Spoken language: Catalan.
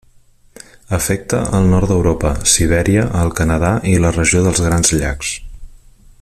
Afecta el nord d'Europa, Sibèria, el Canadà i la regió dels Grans Llacs.